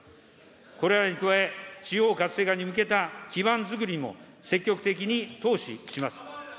これらに加え、地方活性化に向けた基盤づくりも積極的に投資します。